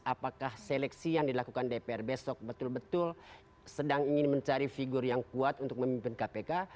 apakah seleksi yang dilakukan dpr besok betul betul sedang ingin mencari figur yang kuat untuk memimpin kpk